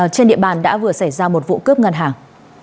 trên địa bàn đã vừa xảy ra một vụ cướp ngân hàng